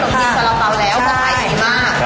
ขนมจีบสะระเป๋าแล้วก็ขายดีมาก